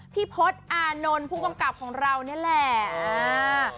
พี่พศอานนท์ผู้กำกับของเรานี่แหละ